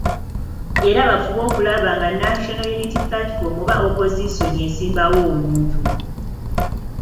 Era bafube okulaba nga National Unity Platform oba Opozisoni esimbawo omuntu.